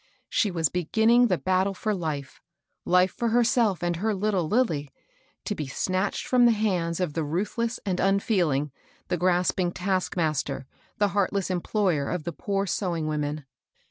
She was beginnikig the battle for life, — life for herself and her Uttle Lilly, — to be snatched fix)m the hands of the mthless and unfeeling, the grasping taskmaster, the heartless employer of the poor sewing woqjen.